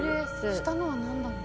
「下のはなんだろう？」